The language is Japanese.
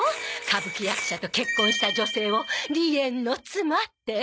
歌舞伎役者と結婚した女性を「梨園の妻」って。